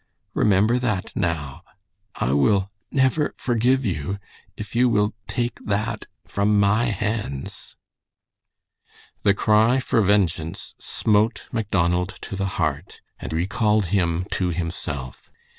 Remember that now. I will never forgive you if you will take that from my hands." The cry for vengeance smote Macdonald to the heart, and recalled him to himself.